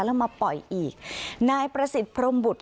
แล้วมาปล่อยอีกนายประสิทธิ์พรมบุตร